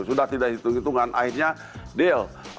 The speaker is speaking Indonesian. sudah tidak hitung hitungan akhirnya deal